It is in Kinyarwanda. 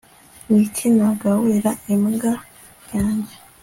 niki nagaburira imbwa yanjye